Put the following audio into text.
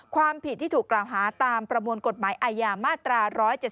ความผิดที่ถูกกล่าวหาตามประมวลกฎหมายอาญามาตรา๑๗๒